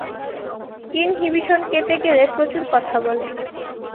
Inhibition কেটে গেলে প্রচুর কথা বলে।